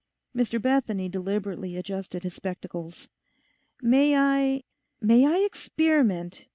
Mr Bethany deliberately adjusted his spectacles. 'May I, may I experiment?